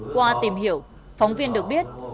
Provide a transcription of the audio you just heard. qua tìm hiểu phóng viên được biết